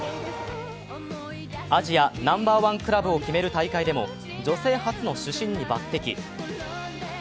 アジアナンバーワンクラブを決める大会でも女性初の主審に抜てき。